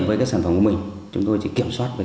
với sản phẩm của mình chúng tôi chỉ kiểm soát